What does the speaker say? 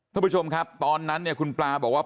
ท่านผู้ชมครับตอนนั้นเนี่ยคุณปลาบอกว่า